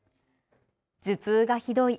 頭痛がひどい。